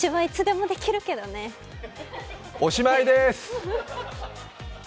おしまいです！